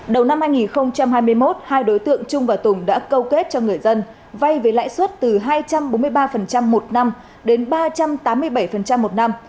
đầu năm hai nghìn hai mươi một hai đối tượng trung và tùng đã câu kết cho người dân vay với lãi suất từ hai trăm bốn mươi ba một năm đến ba trăm tám mươi bảy một năm